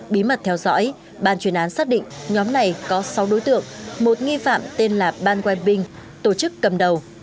bí mật theo dõi ban chuyên án xác định nhóm này có sáu đối tượng một nghi phạm tên là ban quai binh tổ chức cầm đầu